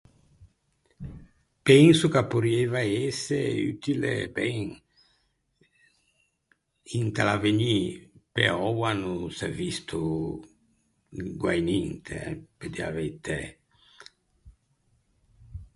Penso ch’a porrieiva ëse utile, ben, inte l’avvegnî, pe oua no s’é visto guæi ninte eh, pe dî a veitæ.